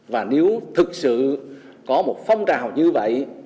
và nếu thực sự có một phong trào như vậy